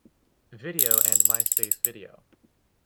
Video and MySpace Video.